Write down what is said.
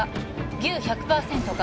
牛１００％ですか？